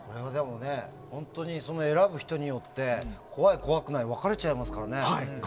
本当に選び人によって怖い、怖くないが分かれちゃいますからね。